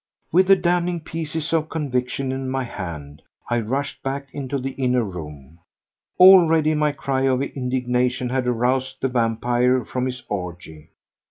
With the damning pieces of conviction in my hand, I rushed back into the inner room. Already my cry of indignation had aroused the vampire from his orgy.